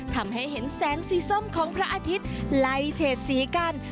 ทำให้เห็นแสงสีส้มของพระอาทิตย์ไล่เฉดสีกัน